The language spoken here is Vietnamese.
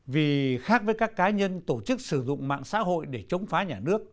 vì khác với các cá nhân tổ chức sử dụng mạng xã hội để chống phá nhà nước